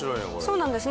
そうなんですね。